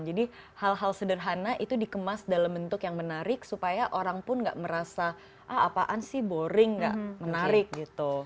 jadi hal hal sederhana itu dikemas dalam bentuk yang menarik supaya orang pun tidak merasa ah apaan sih boring tidak menarik gitu